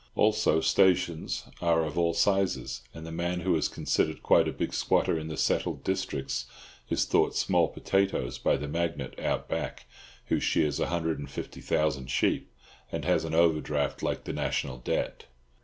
Also stations are of all sizes, and the man who is considered quite a big squatter in the settled districts is thought small potatoes by the magnate "out back," who shears a hundred and fifty thousand sheep, and has an overdraft like the National Debt.